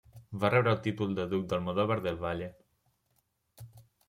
Va rebre el títol de duc d'Almodóvar del Valle.